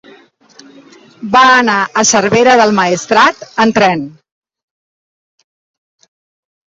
Va anar a Cervera del Maestrat amb tren.